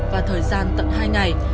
và thời gian tận hai ngày